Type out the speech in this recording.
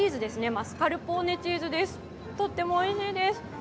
マスカルポーネチーズです、とってもおいしいです。